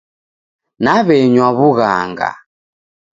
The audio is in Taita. Naw'enywa w'ughanga.